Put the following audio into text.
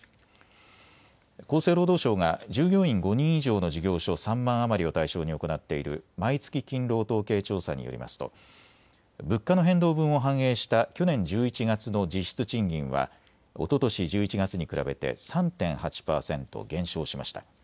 厚生労働省が従業員５人以上の事業所３万余りを対象に行っている毎月勤労統計調査によりますと、物価の変動分を反映した去年１１月の実質賃金はおととし１１月に比べて３．８％減少しました。